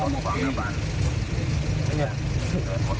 เจอไหมสุดท้ายครับ